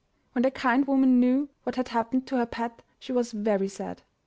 63 MY BOOK HOUSE When the kind woman knew what had happened to her pet she was very sad.